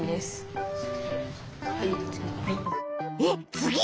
えっ次？